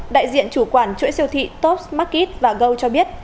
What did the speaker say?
đại diện chủ quản chuỗi siêu thị tops market và go cho biết